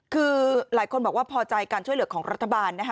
คือหลายคนบอกว่าพอใจการช่วยเหลือของรัฐบาลนะคะ